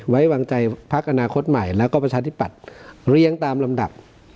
ไว้วางใจพักอนาคตใหม่แล้วก็ประชาธิปัตย์เลี้ยงตามลำดับ